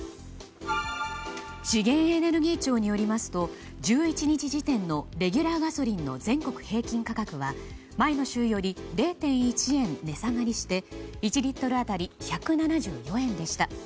資源エネルギー庁によりますと、１１日時点のレギュラーガソリンの全国平均価格は前の週より０．１円値下がりして１リットル当たり１７４円でした。